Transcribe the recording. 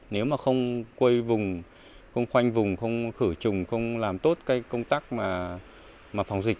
nếu mà không quay vùng không khoanh vùng không khử trùng không làm tốt công tác mà phòng dịch